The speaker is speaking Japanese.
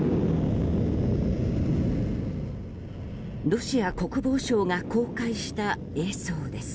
ロシア国防省が公開した映像です。